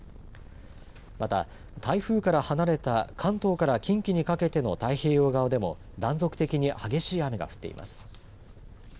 また、台風から離れた関東から近畿にかけての太平洋側でも断続的に激しい雨が降っています。